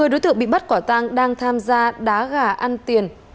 một mươi đối tượng bị bắt quả tang đang tham gia đá gà ăn tiền